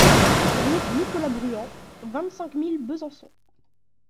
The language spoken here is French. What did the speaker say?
Rue Nicolas Bruand, vingt-cinq mille Besançon